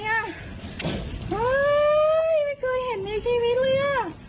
ไม่เคยเห็นในชีวิตเลยอ่ะ